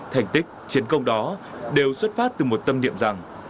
thành tích chiến công đó đều xuất phát từ một tâm niệm rằng